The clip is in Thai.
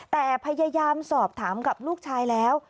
แต่พยายามสอบถามกับลูกชายแล้ว